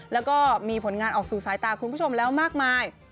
แล้วก็มีผลงานออกสู่สายตาคุณผู้ชมแล้วมากมาย